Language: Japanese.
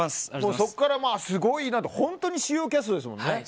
そこからすごい、本当に主要キャストですもんね。